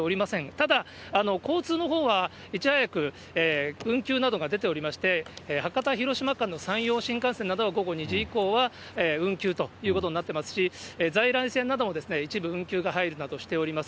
ただ、交通のほうはいち早く運休などが出ておりまして、博多・広島間の山陽新幹線などは午後２時以降は運休ということになってますし、在来線なども一部運休が入るなどしております。